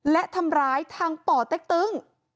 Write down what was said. และทำร้ายทางป่อเต็กตึ้ง